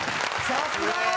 さすが！